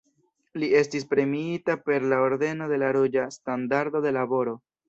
Li estis premiita per la Ordeno de la Ruĝa Standardo de Laboro.